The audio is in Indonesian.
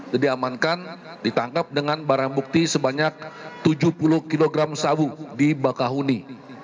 jadi amankan ditangkap dengan barang bukti sebanyak tujuh puluh kg sabu di bakahuni